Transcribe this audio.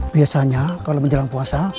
biasanya kalau menjelang puasa